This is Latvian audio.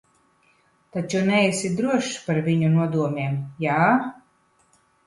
Taču neesi drošs par viņu nodomiem, jā?